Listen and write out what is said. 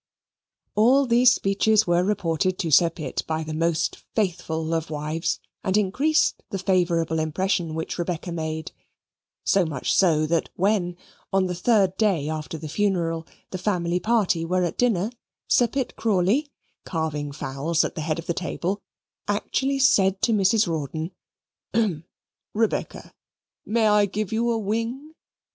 All these speeches were reported to Sir Pitt by the most faithful of wives, and increased the favourable impression which Rebecca made; so much so that when, on the third day after the funeral, the family party were at dinner, Sir Pitt Crawley, carving fowls at the head of the table, actually said to Mrs. Rawdon, "Ahem! Rebecca, may I give you a wing?"